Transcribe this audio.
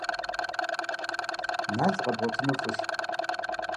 Нал къэбгъуэтыну фӏыщ.